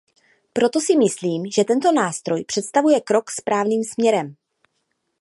Proto si myslím, že tento nástroj představuje krok správným směrem.